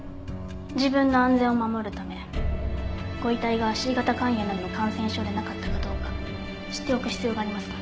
自分の安全を守るためご遺体がＣ型肝炎などの感染症でなかったかどうか知っておく必要がありますから。